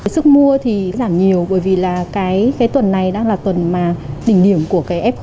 sức mua thì giảm nhiều bởi vì là cái tuần này đang là tuần mà đỉnh điểm của cái app